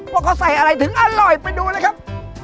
ว่าเขาใส่อะไรถึงอร่อยไปดูเลยครับ